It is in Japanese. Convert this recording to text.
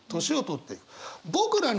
年を取っていく。